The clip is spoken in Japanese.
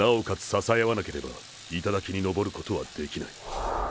支えあわなければ頂にのぼることはできない。